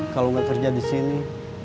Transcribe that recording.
kalau nggak kerja di sini